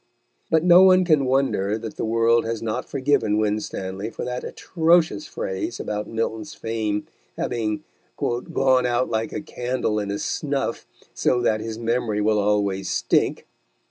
But no one can wonder that the world has not forgiven Winstanley for that atrocious phrase about Milton's fame having "gone out like a candle in a snuff, so that his memory will always stink."